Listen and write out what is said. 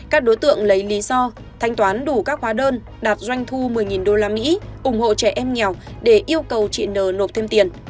các đối tượng lấy lý do thanh toán đủ các hóa đơn đạt doanh thu một mươi usd ủng hộ trẻ em nghèo để yêu cầu chị nờ nộp thêm tiền